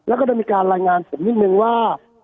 แล้วก็ได้มีการรายงานผมนิดนึงว่า